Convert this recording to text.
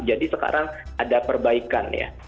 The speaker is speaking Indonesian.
jadi sekarang ada perbaikan ya